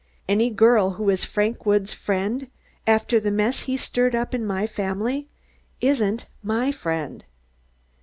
"Any girl who is Frank Woods' friend, after the mess he stirred up in my family, isn't my friend."